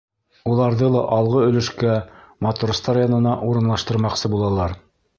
Уларҙы ла алғы өлөшкә, матростар янына урынлаштырмаҡсы булалар.